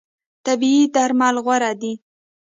طبیعي درمل غوره دي.